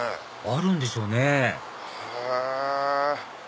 あるんでしょうねへぇ！